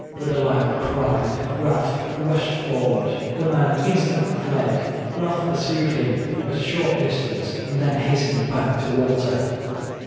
With a loud cry Ralph rushed forward. The man instantly fled. Ralph pursued him but a short distance and then hastened back to Walter.